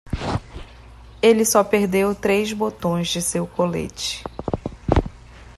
Ele só perdeu três botões de seu colete.